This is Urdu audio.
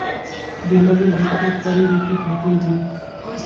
بینظیر بھٹو پڑھی لکھی خاتون تھیں۔